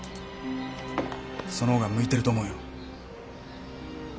その方が向いてると思うよ。